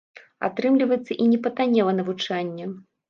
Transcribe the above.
Атрымліваецца і не патаннела навучанне.